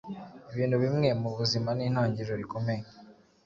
ibintu bimwe mubuzima nintangiriro rikomeye